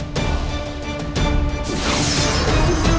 dari keantah zona ketupu